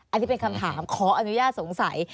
อันนี้เป็นคำถามขออนุญาตสงสัย